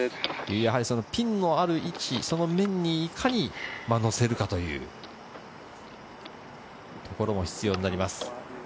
ピンのある位置、その面にいかに乗せるかというところも必要になります。